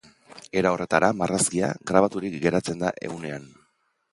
Era horretara, marrazkia grabaturik geratzen da ehunean.